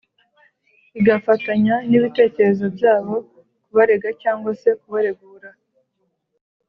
igafatanya n’ibitekerezo byabo kubarega cyangwa se kubaregura.